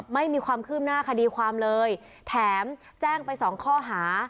ไม่มีความคืบหน้าคดีความเลยแถมแจ้งไปสองข้อหา